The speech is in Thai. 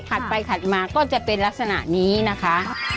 ถัดไปถัดมาก็จะเป็นลักษณะนี้นะคะ